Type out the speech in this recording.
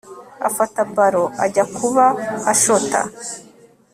afata ballon ajya kuba ashota